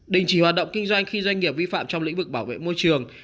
đình chỉ hoạt động kinh doanh khi doanh nghiệp vi phạm trong lĩnh vực bảo vệ môi trường